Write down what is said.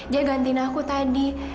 dia gantiin aku tadi